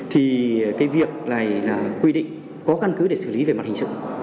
thì cái việc này là quy định có căn cứ để xử lý về mặt hình sự